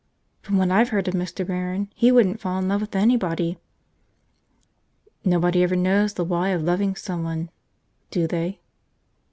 "From what I've heard of Mr. Barron, he wouldn't fall in love with anybody!" "Nobody ever knows the why of loving someone, do they?"